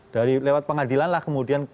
dari lewat pengadilan lah kemudian